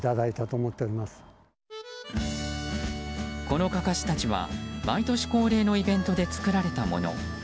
このかかしたちは毎年恒例のイベントで作られたもの。